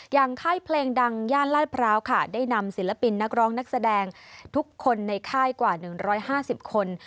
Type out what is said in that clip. ค่ายเพลงดังย่านลาดพร้าวค่ะได้นำศิลปินนักร้องนักแสดงทุกคนในค่ายกว่า๑๕๐คน